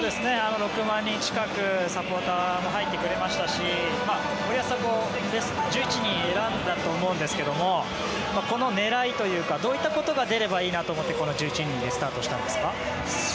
６万人近くサポーターが入ってくれましたし森保さんも１１人選んだと思いますがこの狙いというかどんなことが出ればいいなと思ってこの１１人でスタートしたんですか？